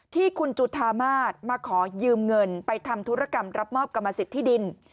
ที่คุณจุธามาศมาขอยืมเงินไปทำธุรกรรมรับมอบกรรมสิทธิดิน